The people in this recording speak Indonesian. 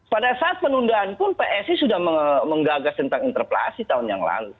pada saat penundaan pun psi sudah menggagas tentang interpelasi tahun yang lalu